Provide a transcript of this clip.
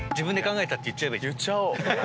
言っちゃおう。